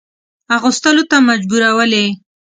اغوستلو ته مجبورولې.